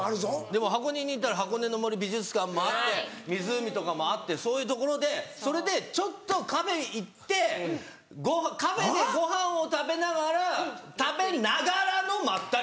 でも箱根に行ったら箱根の森美術館もあって湖とかもあってそういう所でそれでちょっとカフェ行ってカフェでご飯を食べながら食べながらのまったり。